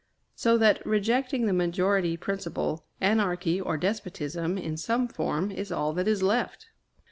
So that, rejecting the majority principle, anarchy or despotism, in some form, is all that is left.